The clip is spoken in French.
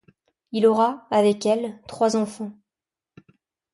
Il aura, avec elle, trois enfants.